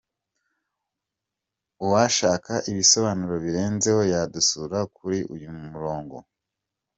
Uwashaka ibisobanuro birenzeho yadusura kuri uyu murongo : www.